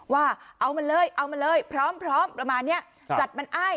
ว่าเอามันเลยเอามันเลยพร้อมประมาณนี้จัดมันอ้าย